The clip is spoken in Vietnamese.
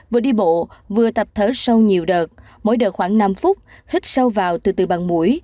vừa đi bộ vừa tập thở sau nhiều đợt mỗi đợt khoảng năm phút hít sâu vào từ bằng mũi